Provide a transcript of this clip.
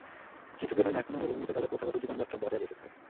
কিছু বেদুইন এখনও মরুভূমিতে তাদের প্রথাগত জীবনযাত্রা বজায় রেখেছে।